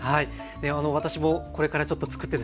私もこれからちょっとつくってですね